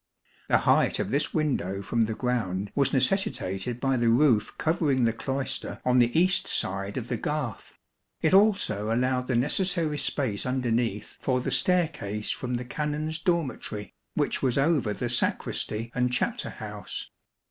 The height of this window from the ground was necessitated by the roof covering the cloister on the east side of the garth ; it also allowed the necessary space underneath for the staircase from the Canons' dormitory, which was over the sacristy and chapter house.